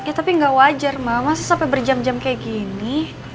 ya tapi nggak wajar mama sih sampai berjam jam kayak gini